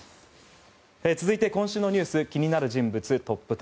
続いて、今週のニュース気になる人物トップ１０。